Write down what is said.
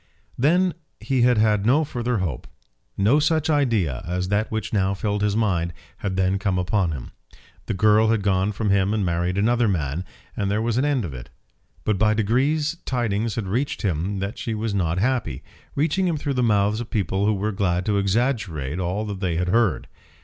Then he had had no further hope. No such idea as that which now filled his mind had then come upon him. The girl had gone from him and married another man, and there was an end of it. But by degrees tidings had reached him that she was not happy, reaching him through the mouths of people who were glad to exaggerate all that they had heard.